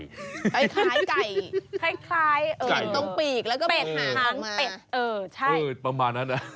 คล้ายตรงปีกแล้วก็เป็ดหางประมาณนั้น